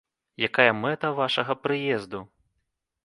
Якая мэта вашага прыезду?